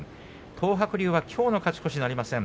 東白龍はきょうの勝ち越しなりません。